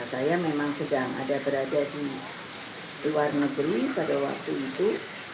saya memang sedang ada berada di luar negeri pada waktu itu